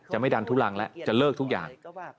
ไม่ดันทุลังแล้วจะเลิกทุกอย่าง